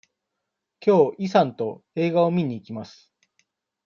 きょうイさんと映画を見に行きます。